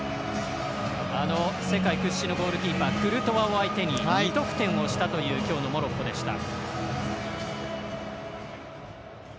世界屈指のゴールキーパークルトワを相手に２得点をしたという今日のモロッコでした。